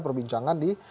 perbincangan di dpr